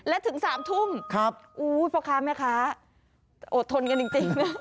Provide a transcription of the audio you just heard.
และถึง๓ทุ่มโอ้โฮพอครับนะคะอดทนกันจริง